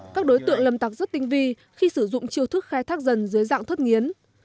các đối tượng lâm tặc rất tinh vi khi sử dụng chiêu thức khai thác dần dưới dạng thất nghiến